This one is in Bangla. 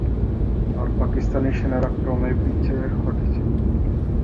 আর পাকিস্তানি সেনারা ক্রমেই পিছে হটছে।